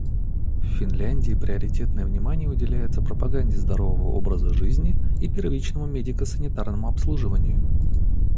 В Финляндии приоритетное внимание уделяется пропаганде здорового образа жизни и первичному медико-санитарному обслуживанию.